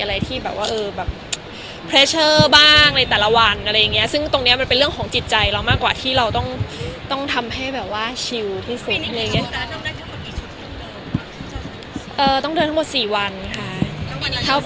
ยังไม่แน่ใจนะคะว่าจะสี่วันติดหรือว่าจะเว้นวันหนึ่งอะไรอย่างนี้ค่ะ